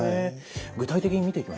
具体的に見ていきましょうか。